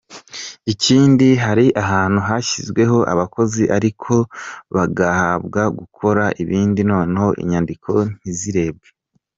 Ikindi hari ahantu hashyizweho abakozi ariko bagahabwa gukora ibindi noneho inyandiko ntizirebwe.